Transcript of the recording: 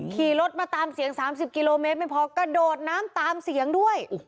ขี่รถมาตามเสียง๓๐กิโลเมตรไม่พอกระโดดน้ำตามเสียงด้วย